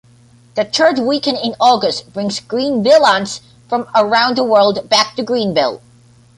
The third weekend in August brings Greenvillians from around the world back to Greenville.